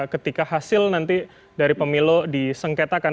ketika hasil nanti dari pemilu disengketakan